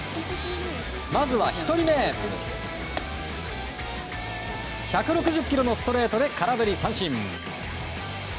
まずは１人目、１６０キロのストレートで空振り三振。